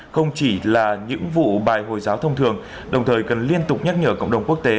không chỉ là những vụ bài hồi giáo thông thường đồng thời cần liên tục nhắc nhở cộng đồng quốc tế